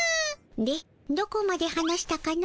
でどこまで話したかの？